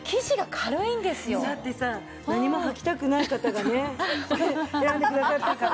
だってさ何もはきたくない方がね選んでくださったから。